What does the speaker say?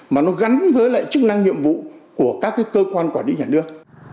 mà nó gắn với lại chức năng nhiệm vụ của các cơ quan quản lý nhà nước